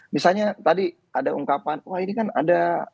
misalnya tadi ada ungkapan wah ini kan ada